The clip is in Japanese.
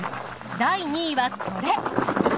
第２位はこれ。